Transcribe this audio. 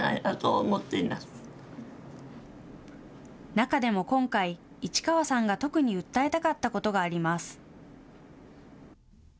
中でも今回、市川さんが特に訴えたかったことがあります。